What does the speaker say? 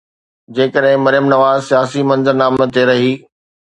جيڪڏهن مريم نواز سياسي منظرنامي تي رهي.